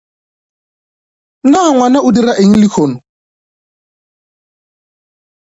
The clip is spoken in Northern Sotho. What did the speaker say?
Na ngwana o dira eng lehono?